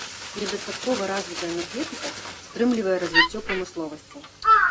Недастаткова развітая энергетыка стрымлівае развіццё прамысловасці.